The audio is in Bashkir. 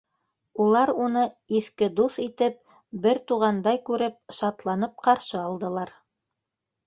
Улар уны, иҫке дуҫ итеп, бер туғандай күреп, шатланып ҡаршы алдылар.